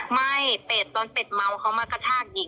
มาส่งเลยไหมกลับมาเลยได้ไหม